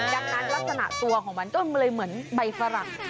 ดังนั้นลักษณะตัวของมันก็เลยเหมือนใบฝรั่ง